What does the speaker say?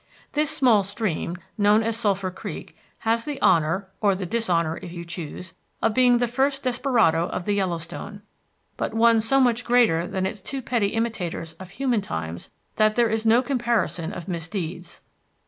This small stream, known as Sulphur Creek, has the honor, or the dishonor if you choose, of being the first desperado of the Yellowstone, but one so much greater than its two petty imitators of human times that there is no comparison of misdeeds.